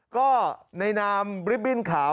ก็ในนามริบบิ้นขาว